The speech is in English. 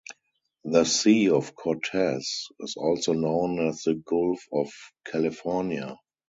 The Sea of Cortez is also known as the Gulf of California.